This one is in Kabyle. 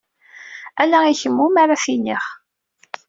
Ala i kemm iwimi ara t-iniɣ.